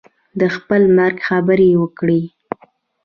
د خپل مرګ خبر یې ورکړی.